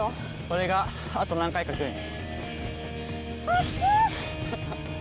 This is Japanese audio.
これがあと何回か来る。